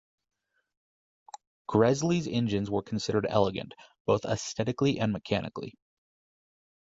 Gresley's engines were considered elegant, both aesthetically and mechanically.